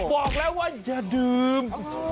บอกแล้วว่าอย่าดื่ม